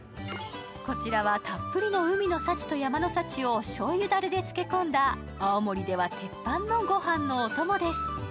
こちらはたっぷりの海の幸と山の幸をしょうゆだれで漬け込んだ青森ではてっぱんのご飯のお供です。